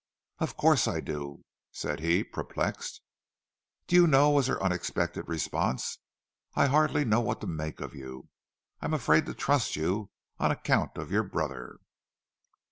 "Of course I do," said he, perplexed. "Do you know," was her unexpected response, "I hardly know what to make of you. I'm afraid to trust you, on account of your brother."